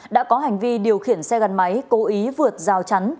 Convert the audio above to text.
đã có hành vi điều khiển xe gắn máy cố ý vượt rào chắn